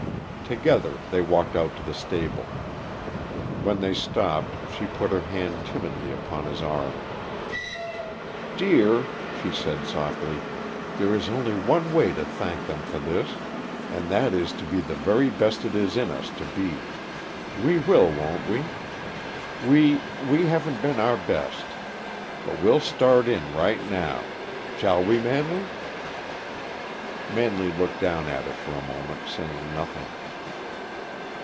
Together they walked out to the stable. When they stopped, she put her hand timidly upon his aim. "Dear," she said softly, "there is only one way to thank them for this, and that is to be the very best it is in us to be. We will, won't we? We we haven't been our best, but we'll start in right now. Shall we, Manley?" Manley looked down at her for a moment, saying nothing.